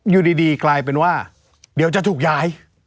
อยู่ดีโดยกลายเป็นว่าตัวจะถูกย้าย